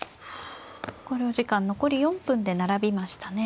考慮時間残り４分で並びましたね。